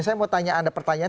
saya mau tanya anda pertanyaan